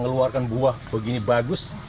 keluarkan buah begini bagus